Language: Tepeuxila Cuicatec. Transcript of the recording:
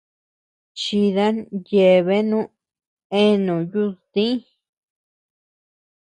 Chidan yeabeanu eanuu yudtiñ.